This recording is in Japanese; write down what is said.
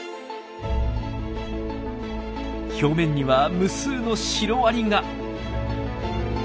表面には無数のシロアリが。